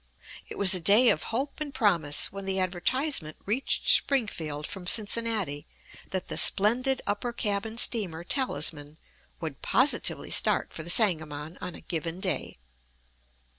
It was a day of hope and promise when the advertisement reached Springfield from Cincinnati that "the splendid upper cabin steamer Talisman" would positively start for the Sangamon on a given day.